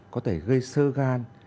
có thể gây sơ gan